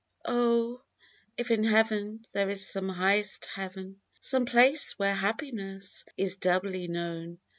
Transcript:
Oh ! if in Heav'n there is some highest Heaven, Some place where happiness is doubly known.